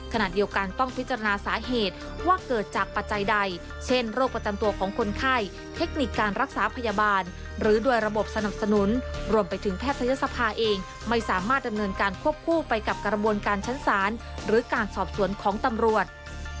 ขณะเดียวกันต้องพิจารณาสาเหตุว่าเกิดจากปัจจัยใดเช่นโรคประจำตัวของคนไข้เทคนิคการรักษาพยาบาลหรือโดยระบบสนับสนุนรวมไปถึงแพทยศภาเองไม่สามารถดำเนินการควบคู่ไปกับกระบวนการชั้นศาลหรือการสอบสวนของตำรวจ